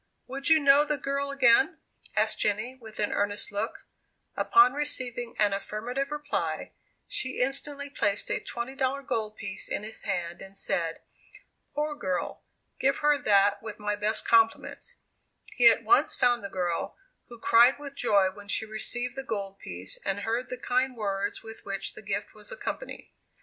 "Would you know the girl again?" asked Jenny, with an earnest look. Upon receiving an affirmative reply, she instantly placed a $20 gold piece in his hand, and said, "Poor girl! give her that with my best compliments." He at once found the girl, who cried with joy when she received the gold piece, and heard the kind words with which the gift was accompanied.